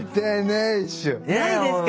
ないですか？